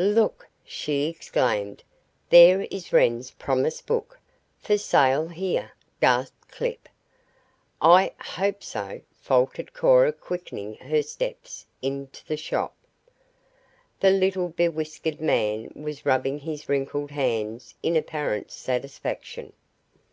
"Look!" she exclaimed. "There is Wren's promise book." "For sale here!" gasped Clip. "I hope so " faltered Cora quickening her steps into the shop. The little bewhiskered man was rubbing his wrinkled hands in apparent satisfaction.